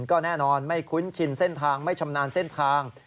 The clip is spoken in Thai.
ก็แน่นอนไม่คุ้นชินเส้นทางไม่ชำนาญเส้นทาง